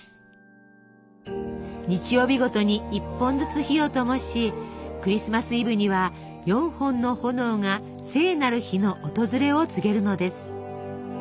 日曜日ごとに１本ずつ火をともしクリスマスイブには４本の炎が聖なる日の訪れを告げるのです。